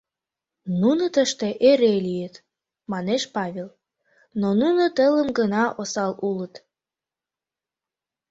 — Нуно тыште эре лийыт, — манеш Павел, — но нуно телым гына осал улыт.